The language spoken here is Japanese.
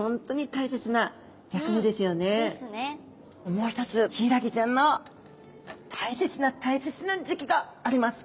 もう一つヒイラギちゃんの大切な大切な時期があります。